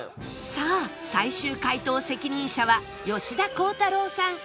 さあ最終解答責任者は吉田鋼太郎さん